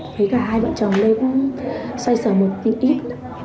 với cả hai vợ chồng lê cũng xoay sở một ít